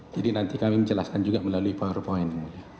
jadi nanti kami menjelaskan juga melalui powerpoint